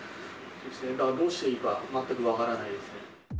どうしていいか、全く分からないですね。